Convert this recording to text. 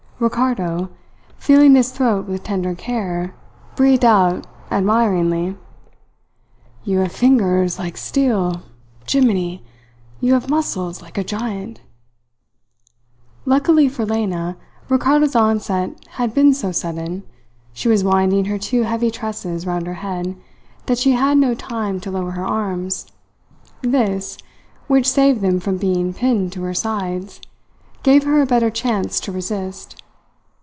Ricardo, feeling his throat with tender care, breathed out admiringly: "You have fingers like steel. Jimminy! You have muscles like a giant!" Luckily for Lena, Ricardo's onset had been so sudden she was winding her two heavy tresses round her head that she had no time to lower her arms. This, which saved them from being pinned to her sides, gave her a better chance to resist.